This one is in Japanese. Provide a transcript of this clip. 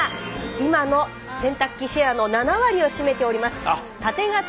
今の洗濯機シェアの７割を占めております